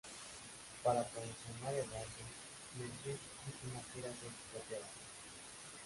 Para promocionar el álbum, Nesbitt hizo una gira con su propia banda.